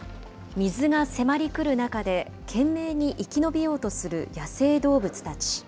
水が迫り来る中で、懸命に生き延びようとする野生動物たち。